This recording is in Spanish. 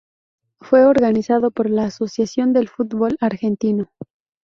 Fue organizado por la Asociación del Fútbol Argentino.